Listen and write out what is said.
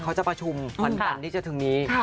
เขาจะประชุมวันจันทร์ที่จะถึงนี้